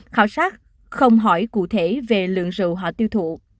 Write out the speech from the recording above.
khảo sát không hỏi cụ thể về lượng rượu họ tiêu thụ